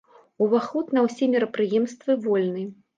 Уваход на ўсе мерапрыемствы вольны.